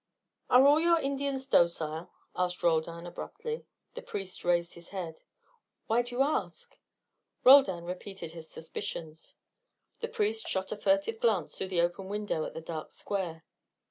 "Are all your Indians docile?" asked Roldan, abruptly. The priest raised his head. "Why do you ask?" Roldan related his suspicions. The priest shot a furtive glance through the open window at the dark square.